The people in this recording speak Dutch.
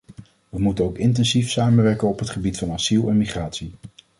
We moeten ook intensief samenwerken op het gebied van asiel en migratie.